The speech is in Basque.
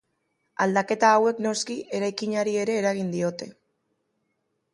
Aldaketa hauek, noski, eraikinari ere eragin diote.